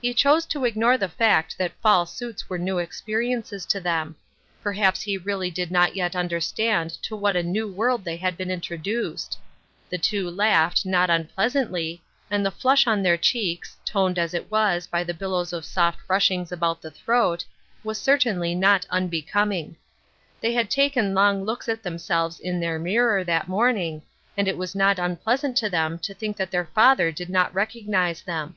He chose to ignore the fact that fall suits were new experiences to them. Perhaps he really did not yet understand to what a new world they had been introduced. The two laughed, not unpleasantly, and the flush on their cheeks, toned, as it was, by the billows of soft ruchings about the throat, was certainly not unbecoming. They had taken long looks at themselves in their mirror, that morning, and it was not un pleasant to them to think that their father did not recognize them.